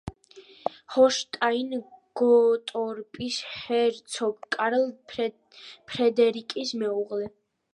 ჰოლშტაინ-გოტორპის ჰერცოგ კარლ ფრედერიკის მეუღლე.